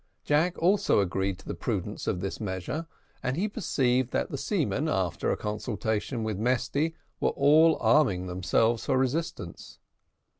Jack also agreed to the prudence of this measure, and he perceived that the seamen, after a consultation with Mesty, were all arming themselves for resistance.